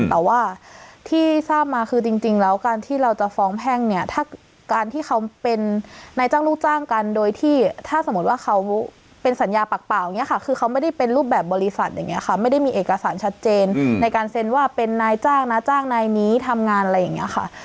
แต่ว่าที่ทราบมาคือจริงแล้วการที่เราจะฟ้องแพ่งเนี่ยถ้าการที่เขาเป็นนายจ้างลูกจ้างกันโดยที่ถ้าสมมุติว่าเขาเป็นสัญญาปากเปล่าอย่างนี้ค่ะคือเขาไม่ได้เป็นรูปแบบบริษัทอย่างนี้ค่ะไม่ได้มีเอกสารชัดเจนในการเซ็นว่าเป็นนายจ้างนะจ้างนายนี้ทำงานอะไรอย่างนี้ค่ะ